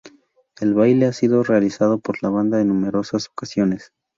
El baile ha sido realizado por la banda en numerosas ocasiones.